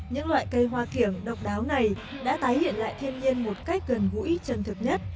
những loại cây hoa kiểng độc đáo này đã tái hiện lại thiên nhiên một cách gần gũi chân thực nhất